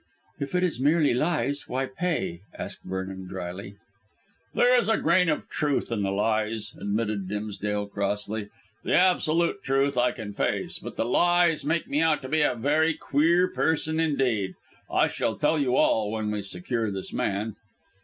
"If it is merely lies, why pay?" asked Vernon drily. "There is a grain of truth in the lies," admitted Dimsdale crossly. "The absolute truth I can face, but the lies make me out to be a very queer person indeed. I shall tell you all when we secure this man."